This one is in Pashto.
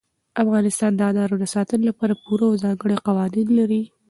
افغانستان د انارو د ساتنې لپاره پوره او ځانګړي قوانین لري.